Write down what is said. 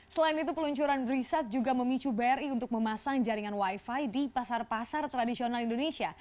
selain itu peluncuran riset juga memicu bri untuk memasang jaringan wifi di pasar pasar tradisional indonesia